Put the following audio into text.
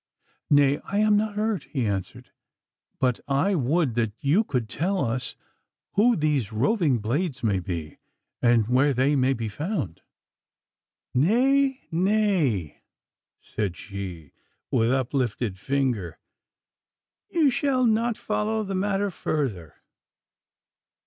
'Nay, I am not hurt,' he answered, 'but I would that you could tell us who these roving blades may be, and where they may be found.' 'Nay, nay,' said she, with uplifted finger, 'you shall not follow the matter further.